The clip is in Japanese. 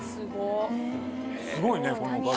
すごいねこの柄も。